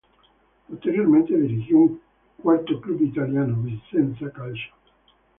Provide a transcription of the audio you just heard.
Posteriormente dirigió un cuarto club italiano, Vicenza Calcio.